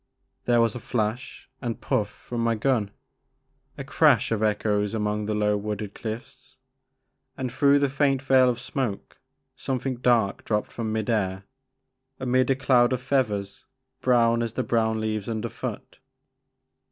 There was a flash and puff from my gun, a crash of echoes among the low wooded cliffs, and through the faint veil of smoke some thing dark dropped from mid air amid a doud of feathers, brown as the brown leaves under foot.